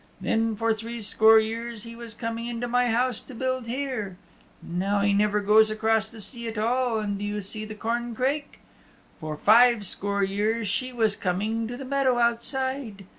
Then for three score years he was coming into my house to build here. Now he never goes across the sea at all, and do you see the corncrake? For five score years she was coming to the meadow outside.